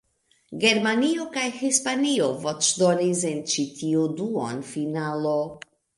Germanio kaj Hispanio voĉdonis en ĉi tiu duonfinalo.